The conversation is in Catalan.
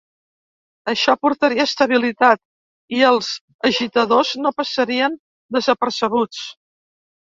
Això portaria estabilitat, i els agitadors no passarien desapercebuts.